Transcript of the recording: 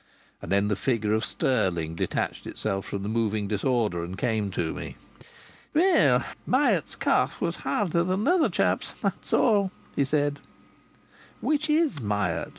And then the figure of Stirling detached itself from the moving disorder and came to me. "Well, Hyatt's calf was harder than the other chap's, that's all," he said. "Which is Myatt?"